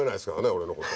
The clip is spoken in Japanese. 俺のこと。